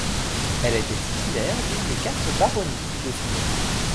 Elle était titulaire d'une des quatre baronnies du Dauphiné.